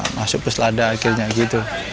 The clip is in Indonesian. masuk peselada akhirnya gitu